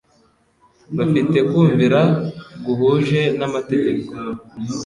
bafite kumvira guhuje n'amategeko,